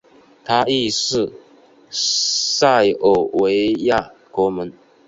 他亦是塞尔维亚国门。